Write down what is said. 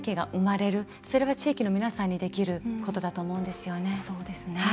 それは地域の皆さんにできることだと思うんですよね。